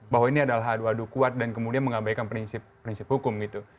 bahwa ini adalah adu adu kuat dan kemudian mengabaikan prinsip prinsip hukum gitu